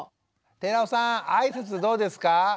寺尾さんあいさつどうですか？